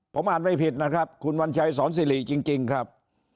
ผมอ่านไม่ผิดนะครับคุณวัญชัยสอนสิริจริงครับ